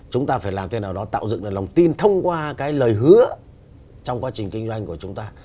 chúng ta phải làm thế nào đó tạo dựng được lòng tin thông qua cái lời hứa trong quá trình kinh doanh của chúng ta